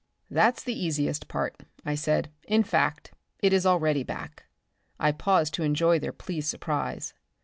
"That's the easiest part," I said. "In fact, it is already back." I paused to enjoy their pleased surprise.